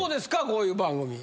こういう番組。